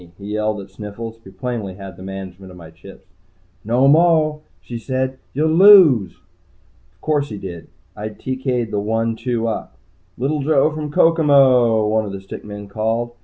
he yelled at Sniffles, who plainly had the management of my chips. "No moah," she said. "You'll lose." Of course he did. I TK'd the one two up. "Little Joe from Kokomo," one of the stick men called.